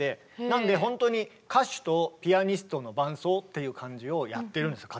なんでほんとに歌手とピアニストの伴奏っていう感じをやってるんですよ。